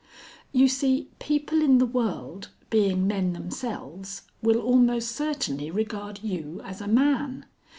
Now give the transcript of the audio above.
"You see, people in the world, being men themselves, will almost certainly regard you as a man.